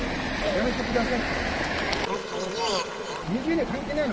やめてください。